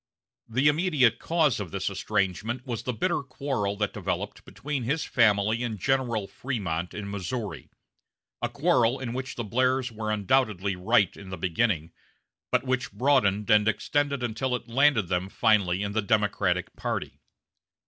The immediate cause of this estrangement was the bitter quarrel that developed between his family and General Frémont in Missouri: a quarrel in which the Blairs were undoubtedly right in the beginning, but which broadened and extended until it landed them finally in the Democratic party.